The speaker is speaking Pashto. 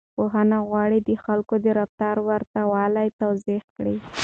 پوهان غواړي د خلکو د رفتار ورته والی توضيح کړي.